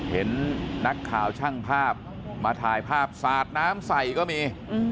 เห็นนักข่าวช่างภาพมาถ่ายภาพสาดน้ำใส่ก็มี